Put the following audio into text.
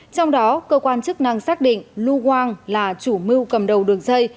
trong đó cơ quan chức năng xác định lu quang là chủ mưu cầm đầu đường dây